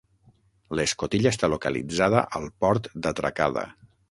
L'escotilla està localitzada al port d'atracada.